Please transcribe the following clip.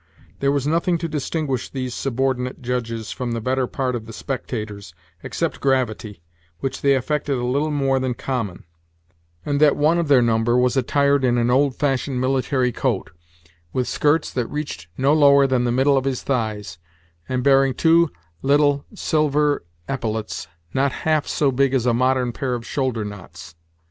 There was nothing to distinguish these Subordinate judges from the better part of the spectators, except gravity, which they affected a little more than common, and that one of their number was attired in an old fashioned military coat, with skirts that reached no lower than the middle of his thighs, and bearing two little silver epaulets, not half so big as a modern pair of shoulder knots.